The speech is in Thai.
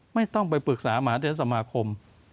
ไม่ต้องไปปรึกษามหาธุรกิจสมหาคม